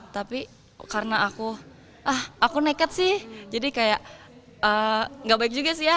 tapi karena aku ah aku nekat sih jadi kayak gak baik juga sih ya